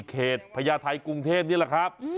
พญาไทยกรุงเทพนี่แหละครับ